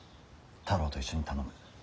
太郎と一緒に頼む。